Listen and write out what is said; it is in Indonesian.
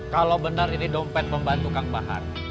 kalau benar ini dompet membantu kang bahar